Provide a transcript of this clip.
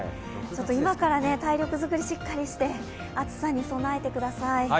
今から体力作りしっかりして暑さに備えてください。